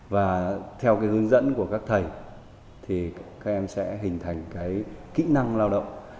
và theo cái hướng dẫn của các thầy thì các em sẽ hình thành cái kỹ năng lao động